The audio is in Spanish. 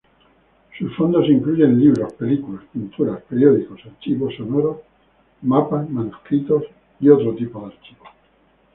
Sus fondos incluyen libros, películas, pinturas, periódicos, archivos sonoros, mapas, manuscritos y otros archivos.